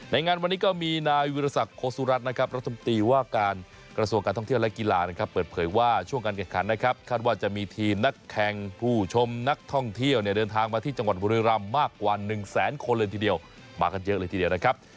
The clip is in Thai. งานวันนี้ก็มีนายวิรสักโคสุรัตน์นะครับรัฐมนตรีว่าการกระทรวงการท่องเที่ยวและกีฬานะครับเปิดเผยว่าช่วงการแข่งขันนะครับคาดว่าจะมีทีมนักแข่งผู้ชมนักท่องเที่ยวเนี่ยเดินทางมาที่จังหวัดบุรีรำมากกว่า๑แสนคนเลยทีเดียวมากันเยอะเลยทีเดียวนะครับ